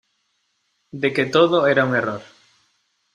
de que todo era un error.